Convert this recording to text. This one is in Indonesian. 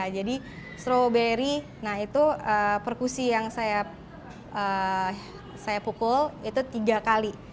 jadi strawberry nah itu perkusi yang saya pukul itu tiga kali